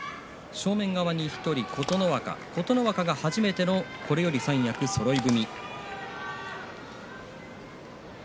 正面側に１人琴ノ若琴ノ若が初めてのこれより三役そろい踏み。